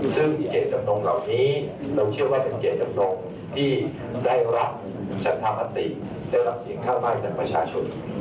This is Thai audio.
ซึ่งอิเจจับโดงเหล่านี้เราเชื่อว่าเป็นอิเจจับโดงที่ได้รับชัดธรรมติได้รับเสียงฆ่ามากจากประชาชุม